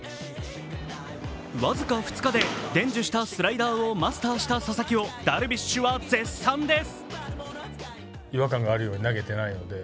僅か２日で伝授したスライダーをマスターした佐々木をダルビッシュは絶賛です。